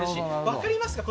分かりますか？